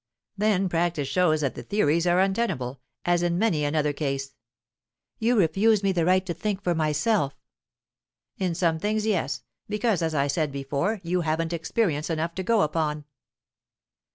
"Then practice shows that the theories are untenable, as in many another case." "You refuse me the right to think for myself." "In some things, yes. Because, as I said before, you haven't experience enough to go upon."